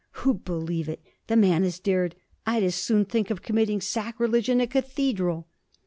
who'd believe it! the man has dared... I'd as soon think of committing sacrilege in a cathedral!'